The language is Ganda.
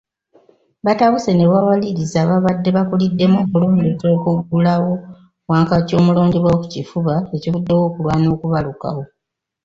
Batabuse ne bawaliriza ababadde bakuliddemu okulondesa okuggulawo Wankaaki omulondebwa ku kifuba ekivuddeko okulwana okubalukawo.